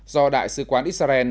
do đại sứ quán israel